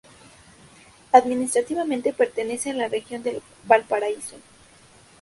Administrativamente pertenece a la Región de Valparaíso.